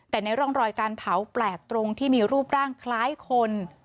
แต่ในร่องรอยการเผาแปลกตรงที่มีรูปร่างคล้ายคน